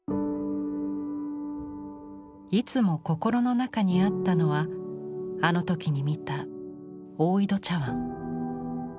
いつも心の中にあったのはあの時に見た大井戸茶碗。